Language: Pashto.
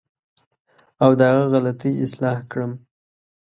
او د هغه غلطۍ اصلاح کړم.